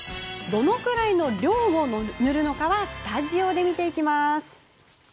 どのくらいの量を塗るのかはスタジオで見ていきます。